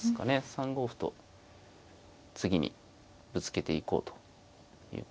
３五歩と次にぶつけていこうということでしょうか。